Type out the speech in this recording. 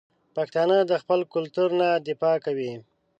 پښتانه د خپل کلتور نه دفاع کوي.